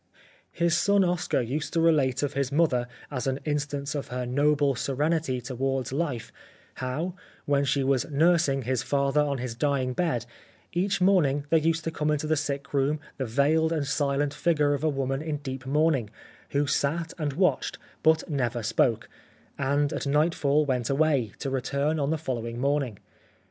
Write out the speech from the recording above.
His son Oscar used to relate of his mother as an instance of her noble serenity to wards life how, when she was nursing his father on his dying bed, each morning there used to come into the sickroom the veiled and silent 27 The Life of Oscar Wilde figure of a woman in deep mourning who sat and watched but never spoke, and at nightfall went away, to return on the following morning.